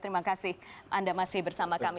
terima kasih anda masih bersama kami